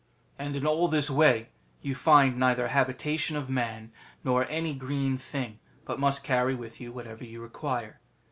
And in all this way you find neither habitation of man, nor any green thing, but must carry with you whatever you require.